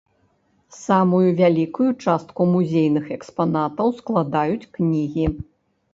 Самую вялікую частку музейных экспанатаў складаюць кнігі.